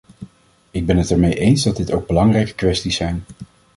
Ik ben het ermee eens dat dit ook belangrijke kwesties zijn.